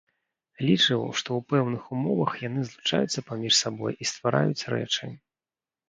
Лічыў, што ў пэўных умовах яны злучаюцца паміж сабой і ствараюць рэчы.